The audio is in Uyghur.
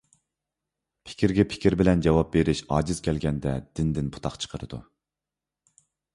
پىكىرگە پىكىر بىلەن جاۋاب بېرىشتىن ئاجىز كەلگەندە دىنىدىن پۇتاق چىقىرىدۇ.